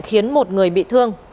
khiến một người bị thương